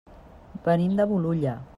Venim de Bolulla.